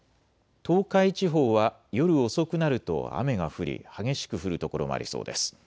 東海地方は夜遅くなると雨が降り激しく降る所もありそうです。